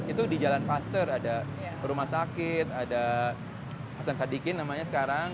itu di jalan pasteur ada rumah sakit ada hasan sadikin namanya sekarang